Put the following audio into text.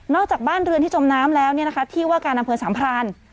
นอกจากบ้านเรือนที่จมน้ำแล้วเนี่ยนะคะที่ว่าการอำเภอสัมพารณ์